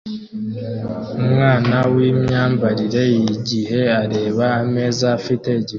Umwana wimyambarire yigihe areba ameza afite igikombe